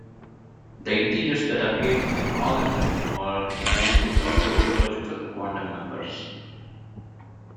The integers that appear in the Hall effect are examples of topological quantum numbers.